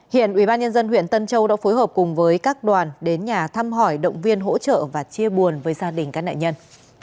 hiện ubnd huyện tân châu đã phối hợp cùng với các đoàn đến nhà thăm hỏi động viên hỗ trợ và chia buồn với gia đình các nạn nhân